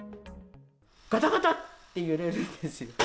がたがたって揺れるんですよ。